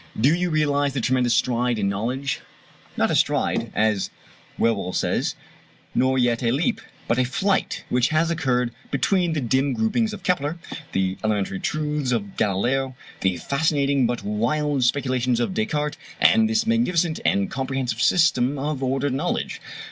Do you realize the tremendous stride in knowledge not a stride, as Whewell says, nor yet a leap, but a flight which has occurred between the dim gropings of Kepler, the elementary truths of Galileo, the fascinating but wild speculations of Descartes, and this magnificent and comprehensive system of ordered knowledge.